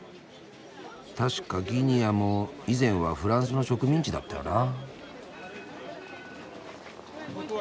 確かギニアも以前はフランスの植民地だったよな。